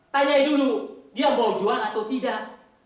tanya dulu dia mau jual atau tidak